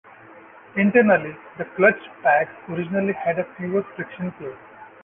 Internally the clutch packs originally had fewer friction plates.